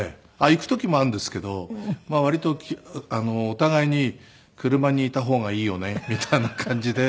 行く時もあるんですけど割とお互いに車にいた方がいいよねみたいな感じでつい。